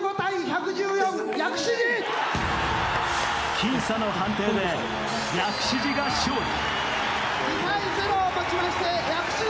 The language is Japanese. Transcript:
僅差の判定で薬師寺が勝利。